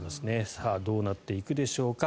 さあどうなっていくでしょうか。